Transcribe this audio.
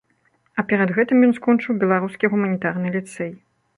А перад гэтым ён скончыў беларускі гуманітарны ліцэй.